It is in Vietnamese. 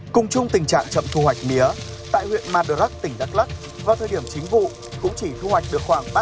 cùng chung tình trạng chậm thu hoạch mía tại huyện madrak tỉnh đắk lắk vào thời điểm chính vụ cũng chỉ thu hoạch được khoảng ba mươi